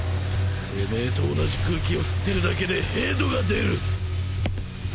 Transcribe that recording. てめえと同じ空気を吸ってるだけでへどが出る。